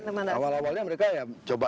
teman teman awal awalnya mereka ya coba